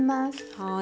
はい。